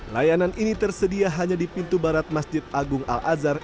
layanan ini tersedia hanya di pintu barat masjid agung al azhar